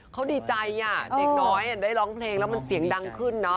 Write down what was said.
เขาดีใจเด็กน้อยได้ร้องเพลงแล้วมันเสียงดังขึ้นเนาะ